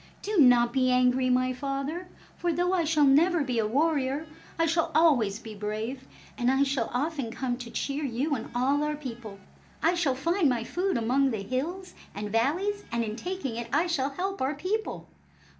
Do not be angry, my father, for though I shall never be a warrior, I shall always be brave, and I shall often come to cheer you and all our people. I shall find my food among the hills and valleys, and in taking it I shall help our people.